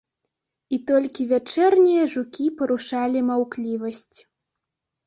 І толькі вячэрнія жукі парушалі маўклівасць.